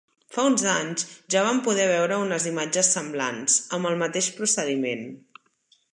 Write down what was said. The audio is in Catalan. Fa uns anys, ja vam poder veure unes imatges semblants, amb el mateix procediment.